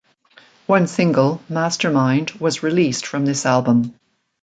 One single, "Mastermind" was released from this album.